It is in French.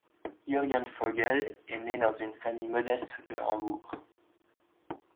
Jürgen Vogel est né dans une famille modeste de Hambourg.